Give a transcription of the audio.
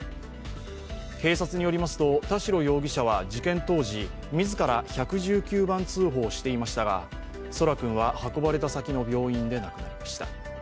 警察によりますと、田代容疑者は事件当時、自ら１１９番通報をしていましたが空来君は運ばれた先の病院で亡くなりました。